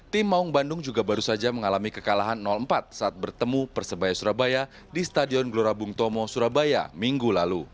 tim maung bandung juga baru saja mengalami kekalahan empat saat bertemu persebaya surabaya di stadion gelora bung tomo surabaya minggu lalu